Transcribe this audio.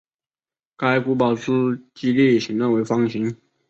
该古堡之基地形状为方形。